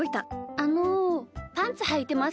あのパンツはいてますか？